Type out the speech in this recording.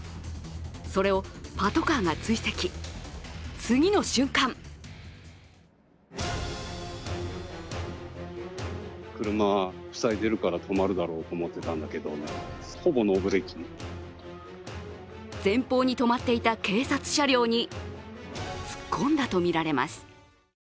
それをパトカーが追跡、次の瞬間前方に止まっていた警察車両につっこんだとみられます。